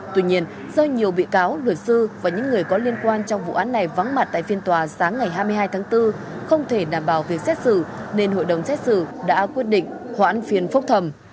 tuy nhiên do nhiều bị cáo luật sư và những người có liên quan trong vụ án này vắng mặt tại phiên tòa sáng ngày hai mươi hai tháng bốn không thể đảm bảo việc xét xử nên hội đồng xét xử đã quyết định hoãn phiên phúc thẩm